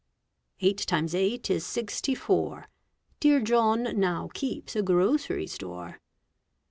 Eight times eight is sixty four. Dear John now keeps a grocery store.